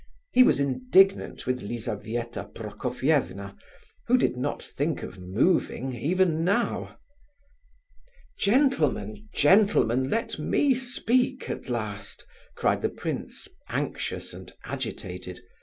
He was indignant with Lizabetha Prokofievna, who did not think of moving even now. "Gentlemen, gentlemen, let me speak at last," cried the prince, anxious and agitated.